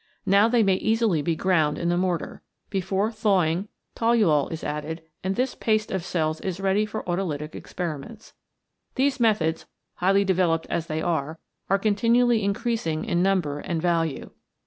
Now they may easily be ground in the mortar. Before thawing toluol is added, and this paste of cells is ready for autolytic experiments. These methods, highly developed as they are, are con tinually increasing in number and value.